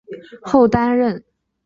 后担任文学部教授。